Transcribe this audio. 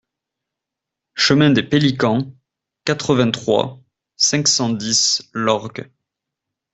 Chemin des Peliquant, quatre-vingt-trois, cinq cent dix Lorgues